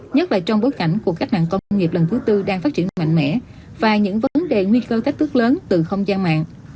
nhất là trong bối cảnh cuộc cách mạng công nghiệp lần thứ tư đang phát triển mạnh mẽ và những vấn đề nguy cơ thách thức lớn từ không gian mạng